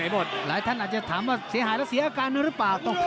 หลายท่านอาจจะถามเสียหายแล้วเสียอาการอะไรรึป่า